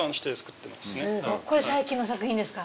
これ最近の作品ですか？